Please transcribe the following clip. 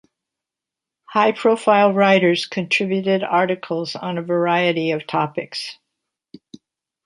High-profile writers contributed articles on a variety of topics.